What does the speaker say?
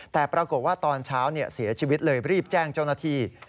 แต่ปรากฏว่าตอนเช้าเสียชีวิตเลยรีบแจ้งเจ้าหน้าที่